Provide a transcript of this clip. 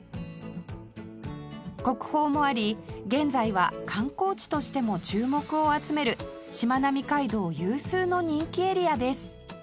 国宝もあり現在は観光地としても注目を集めるしまなみ海道有数の人気エリアです